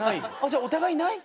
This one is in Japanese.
お互いない？